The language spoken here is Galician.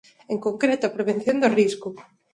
En concreto, a prevención do risco.